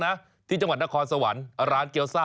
อ้าวทีนี้ก็ไม่มา